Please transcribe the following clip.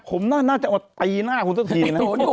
ผมน่าจะเอาตีหน้าคุณสติก